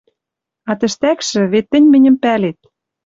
А тӹштӓкшӹ, вет тӹнь мӹньӹм пӓлет